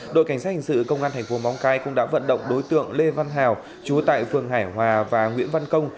đội cảnh sát hình sự công an thành phố móng cai cũng đã vận động đối tượng lê văn hào chú tại phường hải hòa và nguyễn văn công